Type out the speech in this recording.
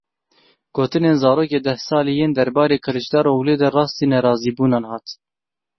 Gotinên zarokê deh salî yên derbarê Kilicdaroglu de rastî nerazîbûnan hat.